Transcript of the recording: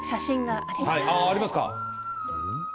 ああありますか！